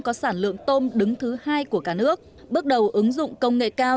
có sản lượng tôm đứng thứ hai của cả nước bước đầu ứng dụng công nghệ cao